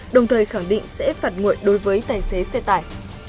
đồng thời khẳng định sẽ phạt nguội đối với tài xế xe tải